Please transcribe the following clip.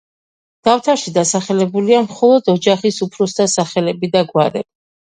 დავთარში დასახელებულია მხოლოდ ოჯახის უფროსთა სახელები და გვარები.